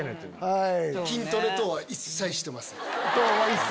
はい！